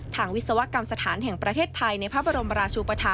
ทางวิศวกรรมสถานแห่งประเทศไทย